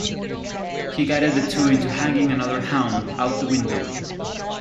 He guided the two into hanging another hound out the window.